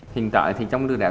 hiện tại thì chống lừa đảo